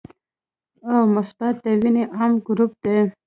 او مثبت د وینې عام ګروپ دی